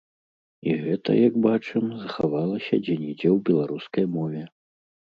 І гэта, як бачым, захавалася дзе-нідзе ў беларускай мове.